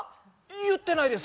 言ってないです。